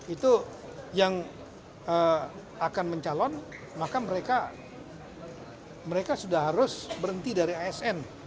itu yang akan mencalon maka mereka sudah harus berhenti dari asn